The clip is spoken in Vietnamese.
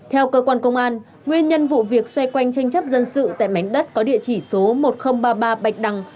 theo cơ quan công an nguyên nhân vụ việc xoay quanh tranh chấp dân sự tại mảnh đất có địa chỉ số một nghìn ba mươi ba bạch đằng